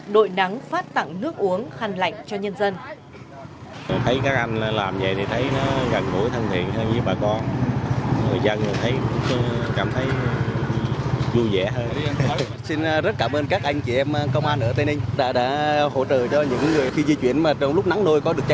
đội nắng phát tặng nước uống khăn lạnh cho nhân dân